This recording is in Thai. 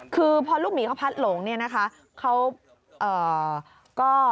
คือพอลูกหมีเขาพัดหลงเนี่ยนะคะเขาก็